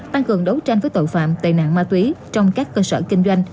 tăng cường đấu tranh với tội phạm tệ nạn ma túy trong các cơ sở kinh doanh